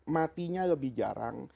matinya lebih jarang